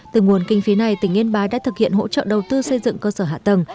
từ nguồn kinh phí này tỉnh yên bái đã thực hiện hỗ trợ đầu tư xây dựng cơ sở hạ tầng